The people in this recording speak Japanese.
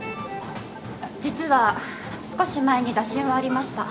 実は少し前に打診はありました。